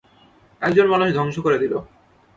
একজন মানুষ ধ্বংস করে দিল।